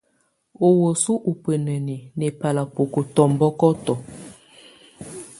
Ɔ wəsu ubeneni nɛbala boko tɔmbɔkɔtɔ.